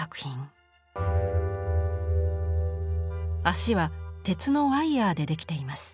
脚は鉄のワイヤーで出来ています。